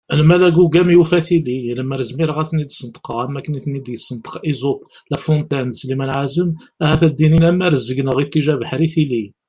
Lmal agugam yufa tili, lemmer zmireɣ ad ten-id-sneṭqeɣ am akken i ten-id-yessenṭeq Esope, La Fontaine d Slimane Ɛazem ahat ad d-inin : am rrezg-nneɣ iṭij, abeḥri, tili!